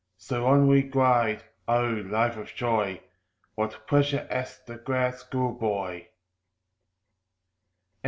So on we glide O, life of joy; What pleasure has the glad school boy!